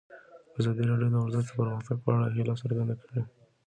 ازادي راډیو د ورزش د پرمختګ په اړه هیله څرګنده کړې.